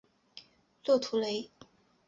勒图雷。